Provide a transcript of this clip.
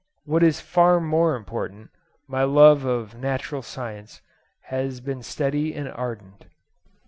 What is far more important, my love of natural science has been steady and ardent.